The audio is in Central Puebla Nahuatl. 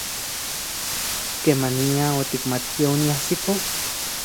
¿Kemanian otikmatki oniajsiko?